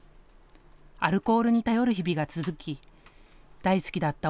アルコールに頼る日々が続き大好きだった